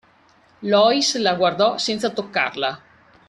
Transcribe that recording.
Loïs la guardò, senza toccarla.